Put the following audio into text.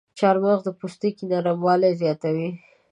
چارمغز د پوستکي نرموالی زیاتوي.